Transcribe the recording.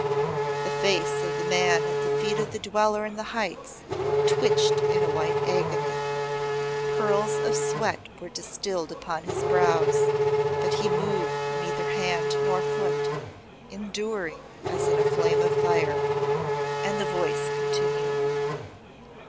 (The face of the man at the feet of the Dweller in the Heights twitched in a white agony. Pearls of sweat were distilled upon his brows, but he moved neither hand nor foot, enduring as in a flame of fire. And the voice continued.)